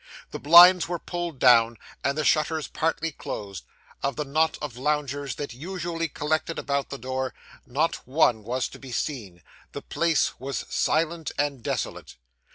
The blinds were pulled down, and the shutters partly closed; of the knot of loungers that usually collected about the door, not one was to be seen; the place was silent and desolate.